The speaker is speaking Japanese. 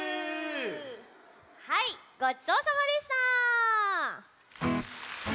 はいごちそうさまでした。